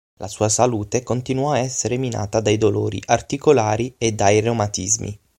La sua salute continuò a essere minata dai dolori articolari e dai reumatismi.